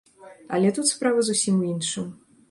Але тут справа зусім у іншым.